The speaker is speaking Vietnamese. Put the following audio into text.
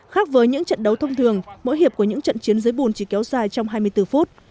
khác với những trận đấu thông thường mỗi hiệp của những trận chiến dưới bùn chỉ kéo dài trong hai mươi bốn phút